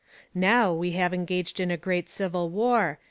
Now we are engaged in a great civil war.